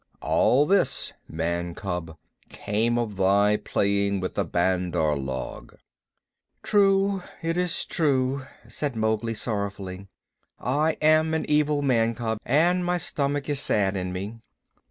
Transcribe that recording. All this, man cub, came of thy playing with the Bandar log." "True, it is true," said Mowgli sorrowfully. "I am an evil man cub, and my stomach is sad in me."